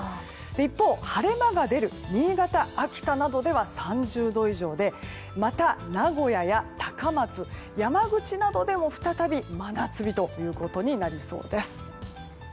一方、晴れ間が出る新潟、秋田などでは３０度以上で名古屋や高松山口などでも再び真夏日となりそうです。